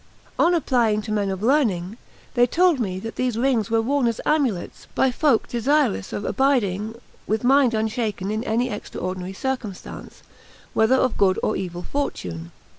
On applying to men of learning, they told me that these rings were worn as amulets by folk desirous of abiding with mind unshaken in any extraordinary circumstance, whether of good or evil fortune.